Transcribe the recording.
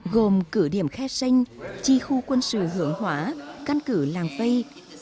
gồm cửa điểm khe xanh chi khu quân sự hưởng hóa căn cứ làng vây